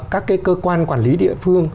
các cái cơ quan quản lý địa phương